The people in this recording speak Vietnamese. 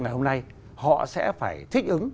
ngày hôm nay họ sẽ phải thích ứng